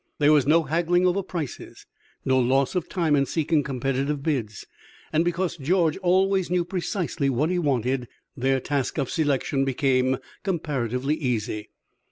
There was no haggling over prices, no loss of time in seeking competitive bids; and because George always knew precisely what he wanted, their task of selection became comparatively easy.